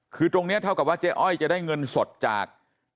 คือตรงนี้เท่ากับว่าเจ๊อ้อยจะได้เงินสดจาก